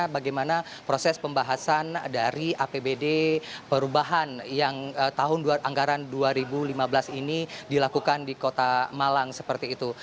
bagaimana proses pembahasan dari apbd perubahan yang tahun anggaran dua ribu lima belas ini dilakukan di kota malang seperti itu